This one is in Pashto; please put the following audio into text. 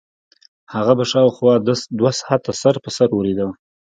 هغه به شاوخوا دوه ساعته سر په سر اورېده.